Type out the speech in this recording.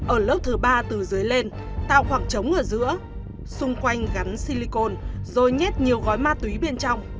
ở lớp thứ ba từ dưới lên tạo khoảng trống ở giữa xung quanh gắn silicon rồi nhét nhiều gói ma túy bên trong